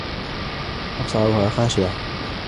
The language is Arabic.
أَبْصَارُهَا خَاشِعَةٌ